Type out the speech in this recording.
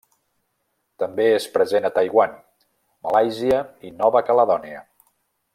També és present a Taiwan, Malàisia i Nova Caledònia.